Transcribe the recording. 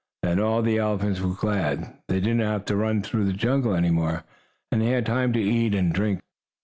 Then all the elephants were glad. They did not have to run through the jungle any more, and they had time to eat and drink.